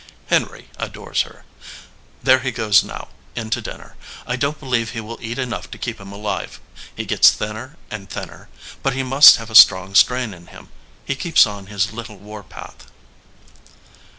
Henry adores her. There he goes now, in to din ner. I don t believe he will eat enough to keep him alive. He gets thinner and thinner, but he must have a strong strain in him. He keeps on his little war path."